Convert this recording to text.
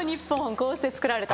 こうして作られた。